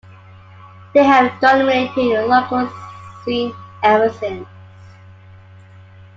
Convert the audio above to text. They have dominated the local scene ever since.